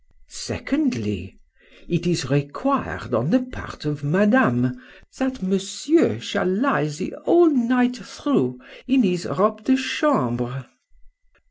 2dly. It is required on the part of Madame, that Monsieur shall lie the whole night through in his robe de chambre.